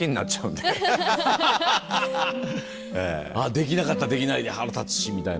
できなかったらできないで腹立つしみたいな。